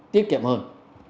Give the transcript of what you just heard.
tiết kiệm hơn